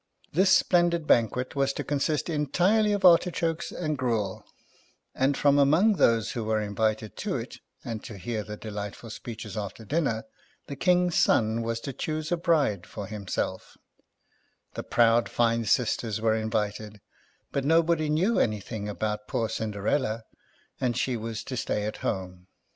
This splendid banquet was to consist entirely of artichokes and gruel ; and from among those who were invited to it, and to hear the de lightful speeches after dinner, the King's son was to choose a bride for himself The proud fine sisters were invited, but nobody knew anything about poor Cinderella, and she was to stay at home.